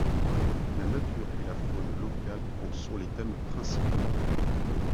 La nature et la faune locale en sont les thèmes principaux.